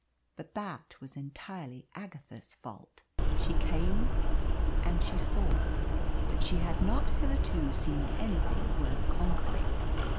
But that was entirely Agatha's fault. She came, and she saw, but she had not hitherto seen anything worth conquering.